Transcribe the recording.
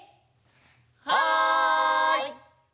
はい！